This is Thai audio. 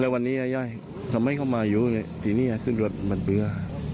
แล้ววันนี้ย่ายทำให้เขามาอยู่ที่นี่คือรถมันเบื้อ